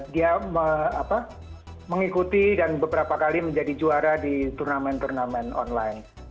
dia mengikuti dan beberapa kali menjadi juara di turnamen turnamen online